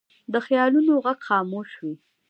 د خیالونو غږ خاموش وي